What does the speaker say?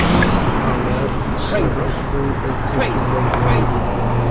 A war cemetery exists in their memory.